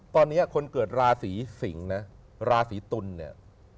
ตอนนี้คนเกิดราศีสิงศ์นะราศีตุลเนี่ย